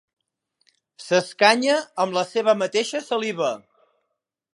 S'escanya amb la seva mateixa saliva.